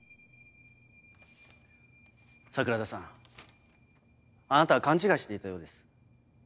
桜田さんあなたは勘違いしていたようです。